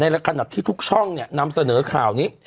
ขณะที่ทุกช่องเนี่ยนำเสนอข่าวนี้